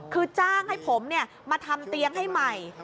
คือจ้างให้ผมมาทำเตียงให้ใหม่